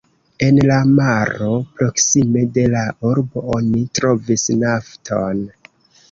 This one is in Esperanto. En la maro proksime de la urbo oni trovis nafton.